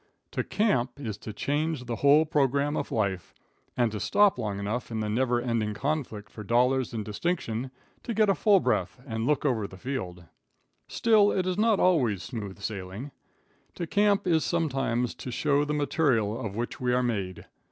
To camp, is to change the whole programme of life, and to stop long enough in the never ending conflict for dollars and distinction, to get a full breath and look over the field. Still, it is not always smooth sailing. To camp, is sometimes to show the material of which we are made.